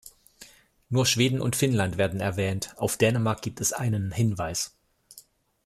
Nur Schweden und Finnland werden erwähnt, auf Dänemark gibt es einen Hinweis.